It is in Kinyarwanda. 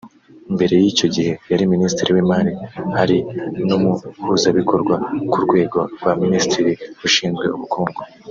Mbere y’icyo gihe yari Minisitiri w’Imari ari n’Umuhuzabikorwa ku rwego rwa Minisitiri ushinzwe ubukungu